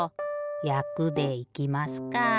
やくでいきますか。